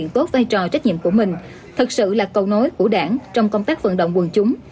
công tác vận động của chúng đều là một loại trách nhiệm của mình thật sự là cầu nối của đảng trong công tác vận động quần chúng